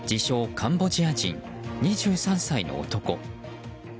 カンボジア人、２３歳の男。